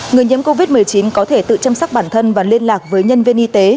người nhiễm covid một mươi chín có thể tự chăm sóc bản thân và liên lạc với nhân viên y tế